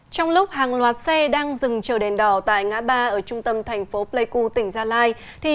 trong lúc hàng loạt xe đang dừng chờ đèn đỏ tại ngã ba ở trung tâm thành phố pleiku tỉnh gia lai